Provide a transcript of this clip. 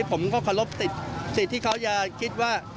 ผมก็ขอรบสิทธิ์ที่เขาอย่าคิดว่า